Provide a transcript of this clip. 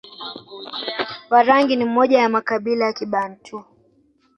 Warangi ni moja ya makabila ya Kibantu